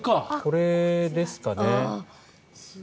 これですかね。